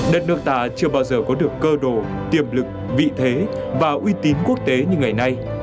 đất nước ta chưa bao giờ có được cơ đồ tiềm lực vị thế và uy tín quốc tế như ngày nay